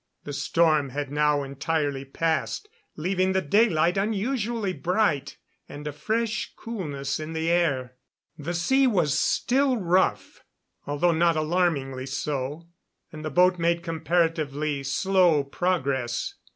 The storm had now entirely passed, leaving the daylight unusually bright and a fresh coolness in the air. The sea was still rough, although not alarmingly so, and the boat made comparatively slow progress.